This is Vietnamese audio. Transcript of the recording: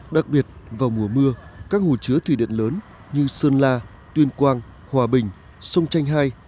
đặc biệt vào mùa mưa các hồ chứa thủy điện lớn như sơn la tuyên quang hòa bình sông chanh hai